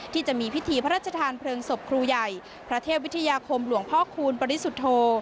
ที่มีพิธีพระราชทานเพลิงศพครูใหญ่พระเทพวิทยาคมหลวงพ่อคูณปริสุทธโธ